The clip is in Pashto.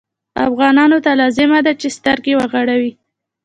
افغانانو ته لازمه ده چې سترګې وغړوي.